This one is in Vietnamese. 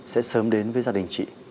sẽ sớm đến với gia đình chị